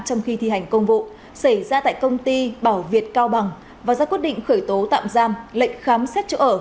trong khi thi hành công vụ xảy ra tại công ty bảo việt cao bằng và ra quyết định khởi tố tạm giam lệnh khám xét chỗ ở